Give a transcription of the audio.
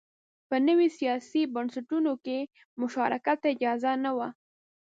په نویو سیاسي بنسټونو کې مشارکت ته اجازه نه وه